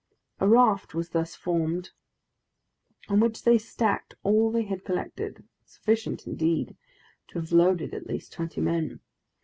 A raft was thus formed, on which they stacked all they had collected, sufficient, indeed, to have loaded at least twenty men.